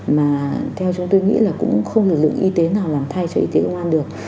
mà theo chúng tôi nghĩ không lực lượng y tế nào làm thay cho y tế công an được